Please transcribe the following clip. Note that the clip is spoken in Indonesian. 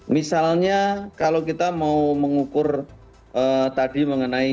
misalnya kalau kita mau mengukur tadi mengenai